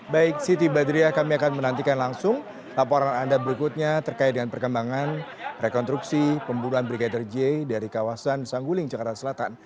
baik siti badriah kami akan menantikan langsung laporan anda berikutnya terkait dengan perkembangan rekonstruksi pembunuhan brigadir j dari kawasan sangguling jakarta selatan